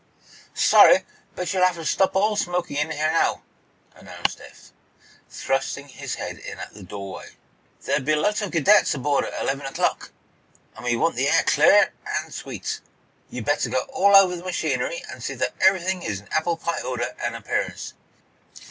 "Sorry, but you'll have to stop all smoking in here now," announced Eph, thrusting his head in at the doorway. "There'll be a lot of cadets aboard at eleven o'clock, and we want the air clear and sweet. You'd better go all over the machinery and see that everything is in applepie order and appearance.